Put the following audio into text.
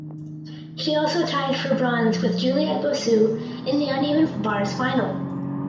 She also tied for bronze with Juliette Bossu in the uneven bars final.